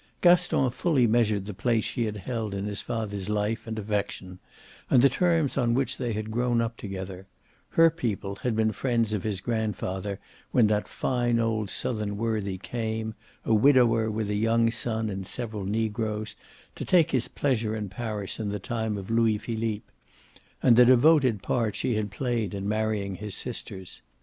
Gaston fully measured the place she had held in his father's life and affection, and the terms on which they had grown up together her people had been friends of his grandfather when that fine old Southern worthy came, a widower with a young son and several negroes, to take his pleasure in Paris in the time of Louis Philippe and the devoted part she had played in marrying his sisters.